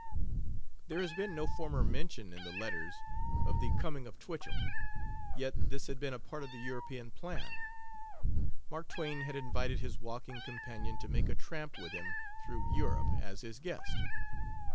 There has been no former mention in the letters of the coming of Twichell; yet this had been a part of the European plan. Mark Twain had invited his walking companion to make a tramp with him through Europe, as his guest.